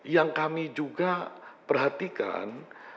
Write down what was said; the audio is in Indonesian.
yang kami juga perhatikan